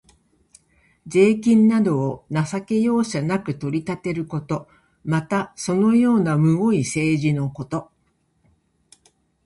税金などを情け容赦なく取り立てること。また、そのようなむごい政治のこと。